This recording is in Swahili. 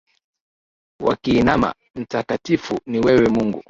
Wakiinama, mtakatifu ni wewe Mungu.